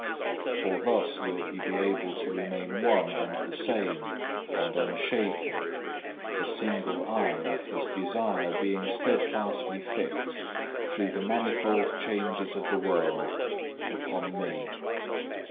For thus will he be able to remain one and the same and unshaken, the single eye of his desire being steadfastly fixed, through the manifold changes of the world, upon Me.